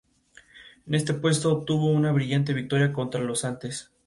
Todas compuestas por Julian Casablancas, excepto las especificadas.